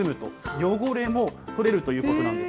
汚れも取れるということなんです。